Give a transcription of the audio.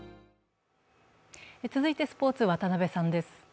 続いてスポーツ、渡部さんです。